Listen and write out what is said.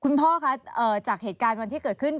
พ่อคะจากเหตุการณ์วันที่เกิดขึ้น